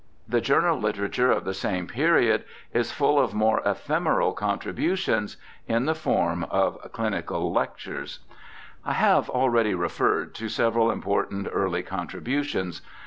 The journal literature of the same period is full of more ephemeral contributions in the form of chnical lectures. I have already referred to several important early contributions.